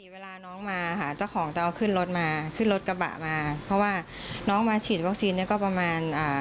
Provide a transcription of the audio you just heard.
เวลาน้องมาค่ะเจ้าของจะเอาขึ้นรถมาขึ้นรถกระบะมาเพราะว่าน้องมาฉีดวัคซีนเนี่ยก็ประมาณอ่า